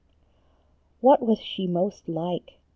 HAT was she most like